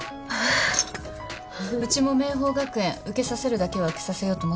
うちも明峰学園受けさせるだけは受けさせようと思ってる。